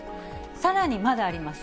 さらにまだあります。